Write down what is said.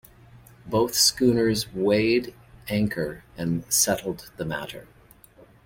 Both schooners weighed anchor and settled the matter.